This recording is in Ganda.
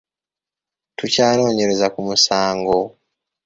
Tukyanoonyereza ku munsango.